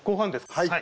はい。